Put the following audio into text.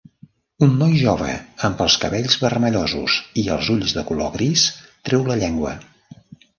Un noi jove amb els cabells vermellosos i els ulls de color gris treu la llengua.